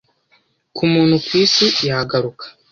Ku muntu ku isi yagaruka